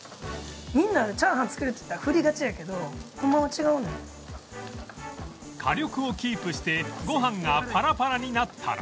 みんなチャーハン作るっていったら火力をキープしてご飯がパラパラになったら